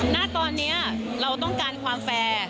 ณตอนนี้เราต้องการความแฟร์